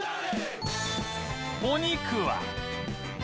お肉は